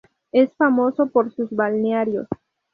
Es famoso por sus balnearios.